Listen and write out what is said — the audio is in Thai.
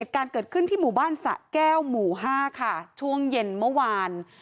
การเกิดขึ้นที่หมู่บ้านสะแก้วหมู่๕ค่ะช่วงเย็นเมื่อวาน